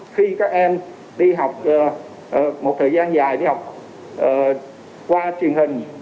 khi các em đi học một thời gian dài đi học qua truyền hình